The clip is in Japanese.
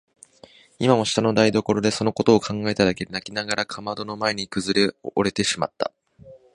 今も下の台所でそのことを考えただけで泣きながらかまどの前にくずおれてしまった。